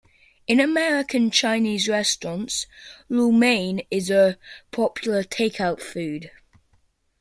In American Chinese restaurants, lo mein is a popular take-out food.